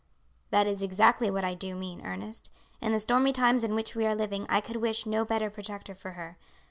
"That is exactly what I do mean, Ernest. In the stormy times in which we are living I could wish no better protector for her.